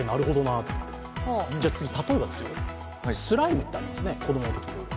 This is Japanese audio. じゃあ次、例えばスライムってありますね、子供のときの。